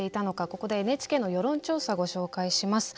ここでＮＨＫの世論調査ご紹介します。